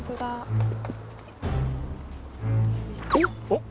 おっ！